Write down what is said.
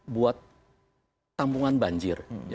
buat tampungan banjir